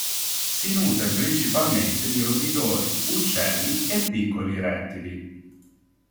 Si nutre principalmente di roditori, uccelli e piccoli rettili.